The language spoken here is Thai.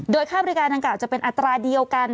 ค่าบริการดังกล่าจะเป็นอัตราเดียวกัน